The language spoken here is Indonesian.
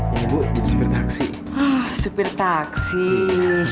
ya ya allah